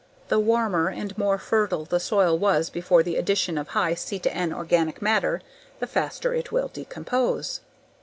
The warmer and more fertile the soil was before the addition of high C/N organic matter, the faster it will decompose.